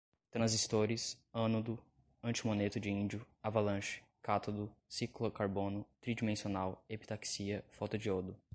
transistores, ânodo, antimoneto de índio, avalanche, cátodo, ciclocarbono, tridimensional, epitaxia, fotodiodo